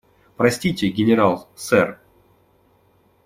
Простите, генерал, сэр.